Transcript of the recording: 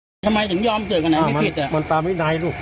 ผิดอะไรทำไมถึงยอมเจอกันไหนไม่ผิดอ่ะมันตามไอ้นายลูก